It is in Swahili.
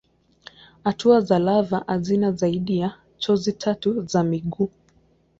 Hatua za lava hazina zaidi ya jozi tatu za miguu.